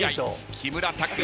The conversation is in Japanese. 木村拓哉